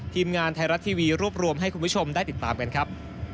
ทีมงานไทยรัฐทีวีรวบรวมให้คุณผู้ชมได้ติดตามกันครับ